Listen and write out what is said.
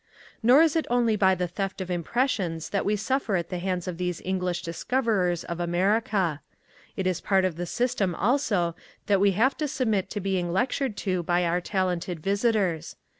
Nor is it only by the theft of impressions that we suffer at the hands of these English discoverers of America. It is a part of the system also that we have to submit to being lectured to by our talented visitors.